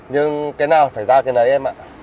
nhưng cái nào phải ra cái này em ạ